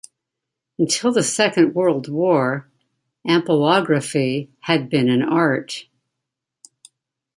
Until the Second World War, ampelography had been an art.